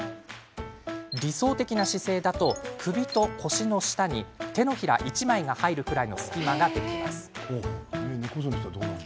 理想的な姿勢だと、首と腰の下に手のひら１枚が入るくらいの隙間ができます。